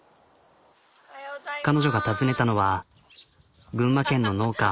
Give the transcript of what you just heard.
彼女が訪ねたのは群馬県の農家。